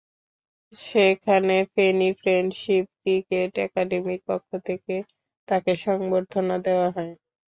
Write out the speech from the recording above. সেখানে Feni friendship cricket একাডেমির পক্ষ থেকে তাঁকে সংবর্ধনা দেওয়া হয়।